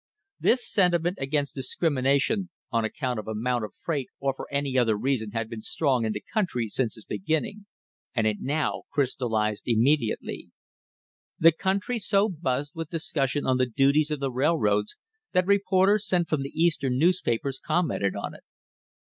The sentiment against discrimination on account of amount of freight or for any other reason had been strong in the country since its beginning, and it now crystallised imme diately. The country so buzzed with discussion on the duties of the railroads that reporters sent from the Eastern news papers commented on it.